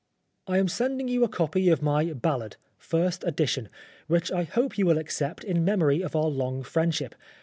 " I am sending you a copy of my Ballad first edition which I hope you will accept in memory of our long friendship.